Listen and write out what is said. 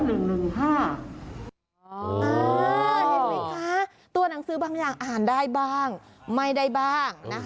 เห็นไหมคะตัวหนังสือบางอย่างอ่านได้บ้างไม่ได้บ้างนะคะ